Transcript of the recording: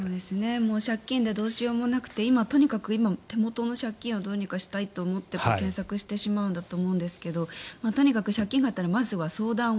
もう借金がどうしようもなくて今、手元の借金をどうにかしたいと思って検索してしまうんだと思うんですがとにかく借金があったらまずは相談を。